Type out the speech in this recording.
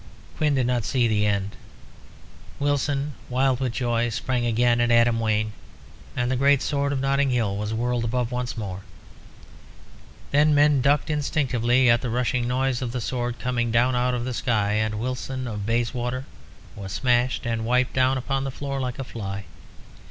Quin did not see the end. Wilson, wild with joy, sprang again at Adam Wayne, and the great sword of Notting Hill was whirled above once more. Then men ducked instinctively at the rushing noise of the sword coming down out of the sky, and Wilson of Bayswater was smashed and wiped down upon the floor like a fly.